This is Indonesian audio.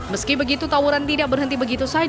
meski begitu tawuran tidak berhenti begitu saja